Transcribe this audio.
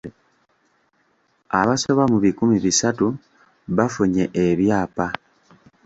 Abasoba mu bikumi bisatu bafunye ebyapa.